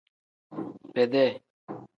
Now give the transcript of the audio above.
Bedee.